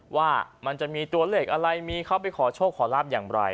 ว่ามันจะมีตัวเลขอะไรมีเขาไปขอโชคขอลาบอย่างไร